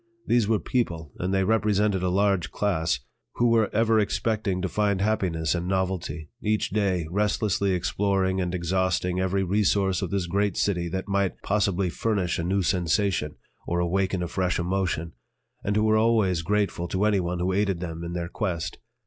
These were people and they represented a large class who were ever expecting to find happiness in novelty, each day restlessly exploring and exhausting every resource of this great city that might possibly furnish a new sensation or awaken a fresh emotion, and who were always grateful to anyone who aided them in their quest.